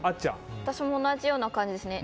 私も同じような感じですね。